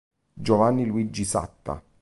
Giovanni Luigi Satta